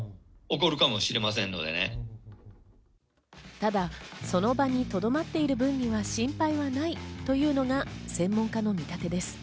ただ、その場にとどまっている分には、心配はないというのが専門家の見立てです。